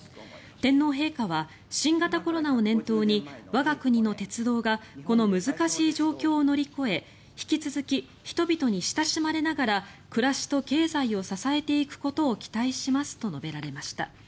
天皇陛下は新型コロナを念頭に我が国の鉄道がこの難しい状況を乗り越え引き続き人々に親しまれながら暮らしと経済を支えていくことを期待しますと述べられました。